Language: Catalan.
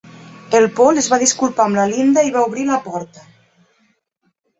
El Paul es va disculpar amb la Linda i va obrir la porta.